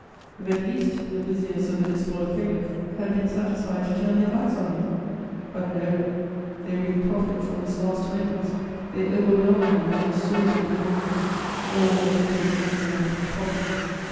If, at least, the viziers of the despoiled caliph had been satisfied to turn their backs on him! But no: they reaped profit from his last moments; they overwhelmed him with their sordid demands; all wanted to make money out of his poverty.